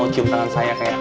dia mau cium tangan saya kayak